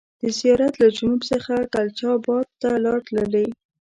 د زیارت له جنوب څخه کلچا بات ته لار تللې.